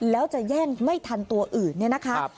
แล้วจะแย่งไม่ทันตัวอื่นเนี่ยนะคะ